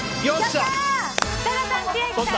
設楽さん、千秋さん